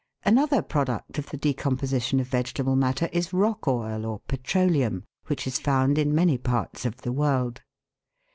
Another product of the decomposition of vegetable matter is rock oil or petroleum, which is found in many parts of the world.